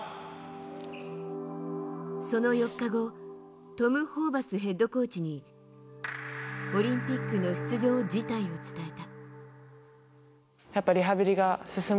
その４日後トム・ホーバスヘッドコーチにオリンピックの出場辞退を伝えた。